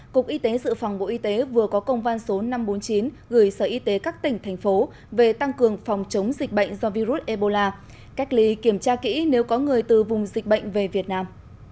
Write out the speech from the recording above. cục y tế dự phòng bộ y tế vừa có công van số năm trăm bốn mươi chín gửi sở y tế các tỉnh thành phố về tăng cường phòng chống dịch bệnh do virus ebola cách ly kiểm tra kỹ nếu có người từ vùng dịch bệnh về việt nam